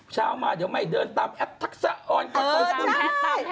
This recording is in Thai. เช้ามาเดี๋ยวไม่เดินตามแอพทักษะออนกับ